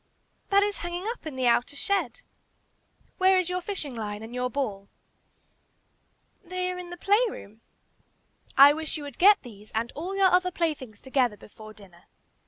"That is hanging up in the outer shed." "Where is your fishing line and your ball?" "They are in the play room." "I wish you would get these and all your other playthings together before dinner.